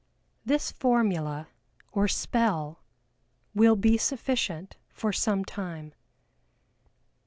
This formula, or "spell," will be sufficient for some time.